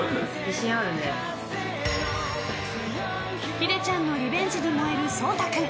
ヒデちゃんのリベンジに燃える蒼太君。